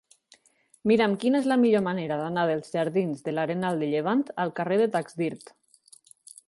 Mira'm quina és la millor manera d'anar dels jardins de l'Arenal de Llevant al carrer de Taxdirt.